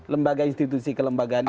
lembaga institusi kelembagaan itu